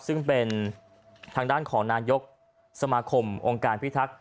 ซึ่งเป็นทางด้านของนายกสมาคมองค์การพิทักษ์